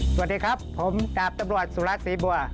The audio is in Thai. สวัสดีครับผมดาบตำรวจสุรัตนศรีบัว